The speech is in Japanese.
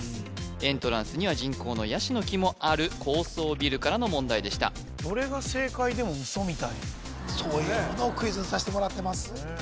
エントランスには人工のヤシの木もある高層ビルからの問題でしたどれが正解でもウソみたいやもんそういうものをクイズにさせてもらってます